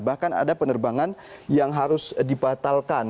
bahkan ada penerbangan yang harus dibatalkan